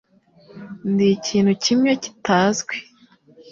Ndi ikintu kimwe kitazwi